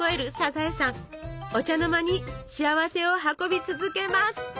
お茶の間に幸せを運び続けます。